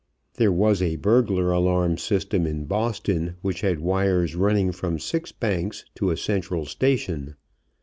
There was a burglar alarm system in Boston which had wires running from six banks to a central station.